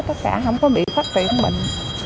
tất cả không có bị phát triển bệnh